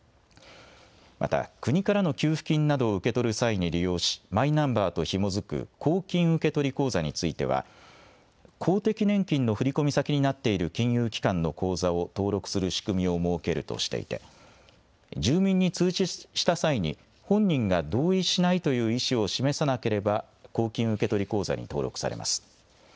また、国からの給付金などを受け取る際に利用し、マイナンバーとひも付く公金受取口座については、公的年金の振込先になっている金融機関の口座を登録する仕組みを設けるとしていて、住民に通知した際に、本人が同意しないという意思を示さなければ、公金受取口座に登録されます。